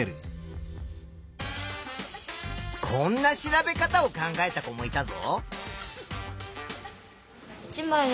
こんな調べ方を考えた子もいたぞ。